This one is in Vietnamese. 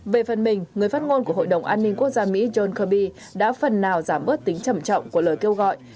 về phần mình người phát ngôn của hội đồng an ninh quốc gia mỹ john kirby đã phần nào giảm bớt tính trầm trọng của lời kêu gọi